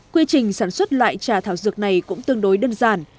quy trình sản xuất loại trà thảo dược này cũng tương đối đơn giản